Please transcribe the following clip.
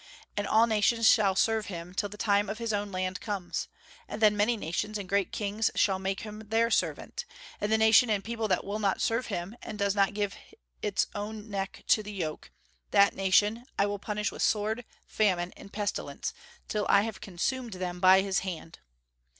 And all nations shall serve him, till the time of his own land comes; and then many nations and great kings shall make him their servant. And the nation and people that will not serve him, and that does not give its own neck to the yoke, that nation I will punish with sword, famine, and pestilence, till I have consumed them by his hand."